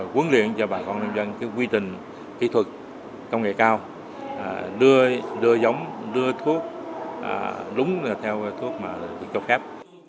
quấn luyện cho bà con nông dân cái quy trình kỹ thuật công nghệ cao đưa giống đưa thuốc đúng là theo thuốc mà được cho khép